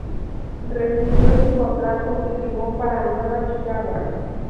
Rescindió su contrato y firmó para Nueva Chicago.